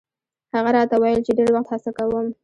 هغه راته ویل چې ډېر وخت هڅه کوم.